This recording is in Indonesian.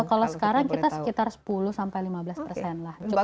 kalau sekarang kita sekitar sepuluh sampai lima belas persen lah